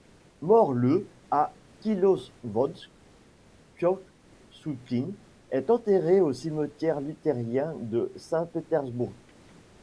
Mort le à Kislovodsk, Piotr Souchkine est enterré au cimetière luthérien de Saint-Pétersbourg.